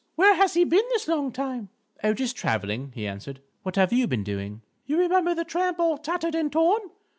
Where has he been this long time?" "Oh, just traveling," he answered. "What have you been doing?" "_You remember the tramp all tattered and torn?